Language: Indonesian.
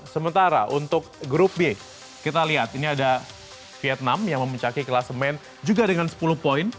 sementara untuk grup b kita lihat ini ada vietnam yang memuncaki kelasemen juga dengan sepuluh poin